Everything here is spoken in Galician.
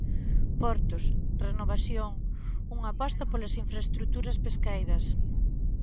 Portos, renovación, unha aposta polas infraestruturas pesqueiras.